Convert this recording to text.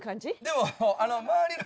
でも。